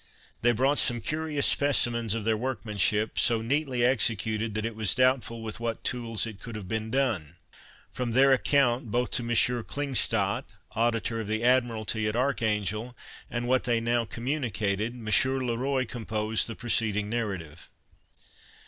They brought some curious specimens of their workmanship, so neatly executed, that it was doubtful with what tools it could have been done. From their account, both to M. Klingstadt, auditor of the Admiralty at Archangel, and what they now communicated, M. Le Roy composed the preceding narrative.